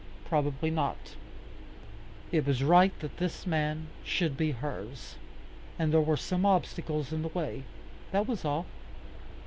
Probably not. It was right that this man should be hers, and there were some obstacles in the way. That was all.